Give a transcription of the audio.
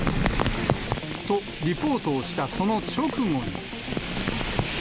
と、リポートをしたその直後に。